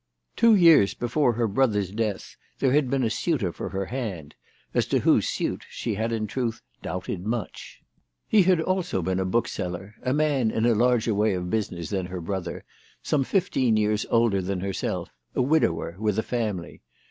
Two years before her brother's death there had been a suitor for her hand, as to whose suit she had in truth doubted much. He also had been a bookseller, a man in a larger way of business than her brother, 268 THE TELEGRAPH GIRL. some fifteen years older than herself, a widower, with a family.